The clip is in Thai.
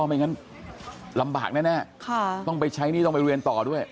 ไม่งั้นลำบากแน่ต้องไปใช้หนี้ต้องไปเรียนต่อด้วย